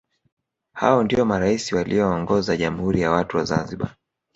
Hao ndio marais walioongoza Jamhuri ya watu wa Zanzibar